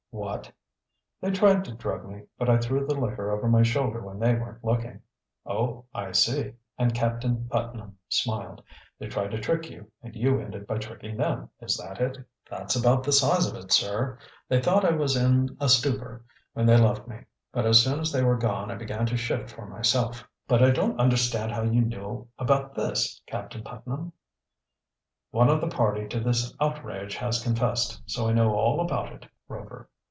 "What!" "They tried to drug me, but I threw the liquor over my shoulder when they weren't looking." "Oh, I see," and Captain Putnam smiled. "They tried to trick you and you ended by tricking them, is that it?" "That's about the size of it, sir. They thought I was in a stupor when they left me, but as soon as they were gone I began to shift for myself. But I don't understand how you know about this, Captain Putnam." "One of the party to this outrage has confessed, so I know all about it, Rover.